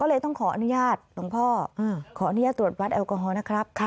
เลยต้องขออนุญาตหลวงพ่อขออนุญาตตรวจวัดแอลกอฮอล์นะครับ